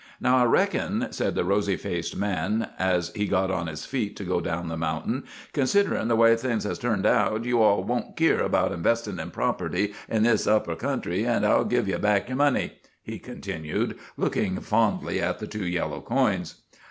"Now I reckon," said the rosy faced man, as he got on his feet to go down the mountain, "considerin' the way things has turned out, you all won't keer about investin' in property in this upper kentry, and I'll give ye back your money," he continued, looking fondly at the two yellow coins.